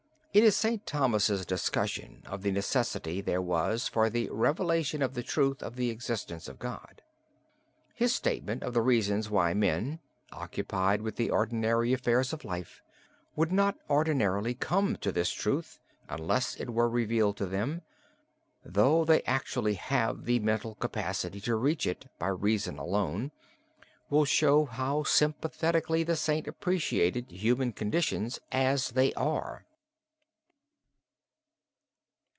It is St. Thomas's discussion of the necessity there was for the revelation of the truth of the existence of God. His statement of the reasons why men, occupied with the ordinary affairs of life, would not ordinarily come to this truth unless it were revealed to them, though they actually have the mental capacity to reach it by reason alone, will show how sympathetically the Saint appreciated human conditions as they are.